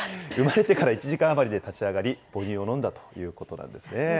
生まれてから１時間余りで立ち上がり、母乳を飲んだということなんですね。